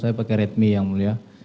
saya pakai redmi yang mulia